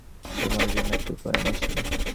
তোমার জন্য একটা উপহার এনেছি।